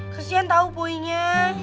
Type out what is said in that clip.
kesian tau boy nya